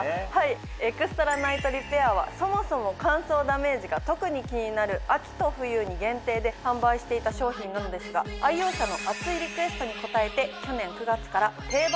エクストラナイトリペアはそもそも乾燥ダメージが特に気になる秋と冬に限定で販売していた商品なんですが愛用者の熱いリクエストに応えて。